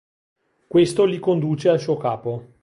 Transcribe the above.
Questo li conduce al suo capo.